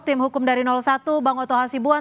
tim hukum dari satu bang otoha sibuan